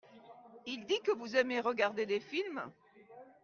Il dit que vous aimez regardez des films.